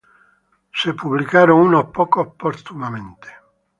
Unos pocos fueron publicados póstumamente.